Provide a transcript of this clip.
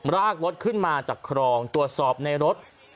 รากรถขึ้นมาจากครองตรวจสอบในรถ